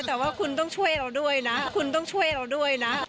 แต่ว่าคุณต้องช่วยเราด้วยนะคุณต้องช่วยเราด้วยนะ